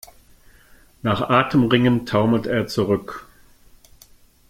Nach Atem ringend taumelt er zurück.